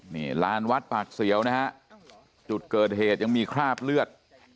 นี่ลานวัดปากเสียวนะฮะจุดเกิดเหตุยังมีคราบเลือด